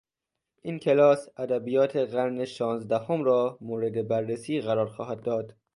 این کلاس، ادبیات قرن شانزدهم را مورد بررسی قرار خواهد داد.